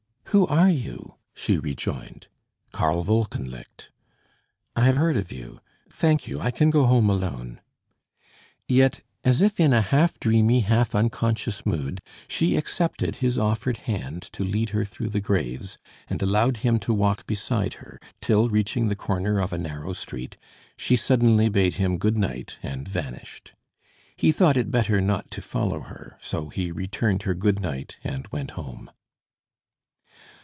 "Who are you?" she rejoined. "Karl Wolkenlicht." "I have heard of you. Thank you. I can go home alone." Yet, as if in a half dreamy, half unconscious mood, she accepted his offered hand to lead her through the graves, and allowed him to walk beside her, till, reaching the corner of a narrow street, she suddenly bade him good night and vanished. He thought it better not to follow her, so he returned her good night and went home.